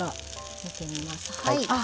見てみます。